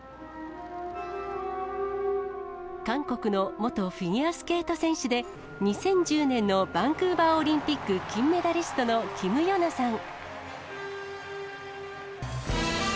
韓国の元フィギュアスケート選手で、２０１０年のバンクーバーオリンピック金メダリストのキム・ヨナさん。